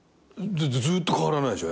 ずっと変わらないでしょ